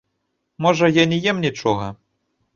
Можа, я не ем нічога!